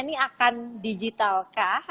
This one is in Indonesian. nih akan digital kah